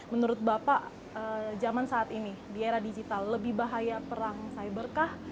menurut bapak zaman saat ini di era digital lebih bahaya perang cyber kah